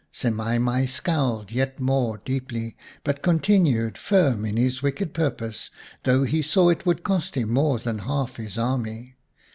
Semai mai scowled yet more deeply, but continued firm in his wicked purpose, though he saw it would cost him more than half his army.